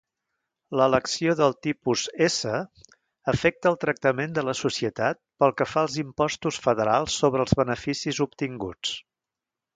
L'elecció del tipus S afecta el tractament de la societat pel que fa als impostos federals sobre els beneficis obtinguts.